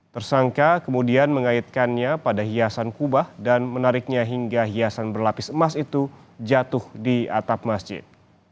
tersangka kemudian mengaitkannya pada hiasan kubah dan menariknya hingga hiasan berlapis emas itu jatuh di atap masjid